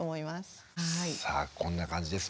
さあこんな感じです。